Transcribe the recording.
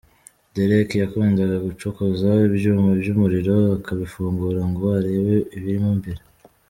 Derek : Yakundaga gucokoza ibyuma by’umuriro, akabifungura ngo arebe ibirimo imbere.